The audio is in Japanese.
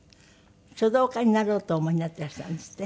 書道家になろうとお思いになっていらしたんですって？